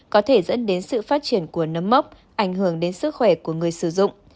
có thể dẫn đến sự phát triển của nấm mốc ảnh hưởng đến sức khỏe của người sử dụng